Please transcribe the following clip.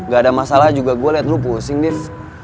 gak ada masalah juga gue liat lo pusing div